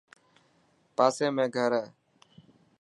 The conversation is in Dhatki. پاسي ۾ گهر هي.